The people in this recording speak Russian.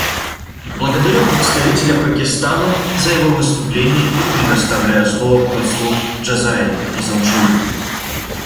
Благодарю представителя Пакистана за его выступление и предоставляю слово послу Джазайри из Алжира.